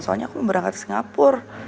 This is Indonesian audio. soalnya aku mau berangkat ke singapur